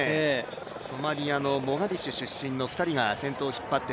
ソマリアのモガディシオ出身の２人が出てきました。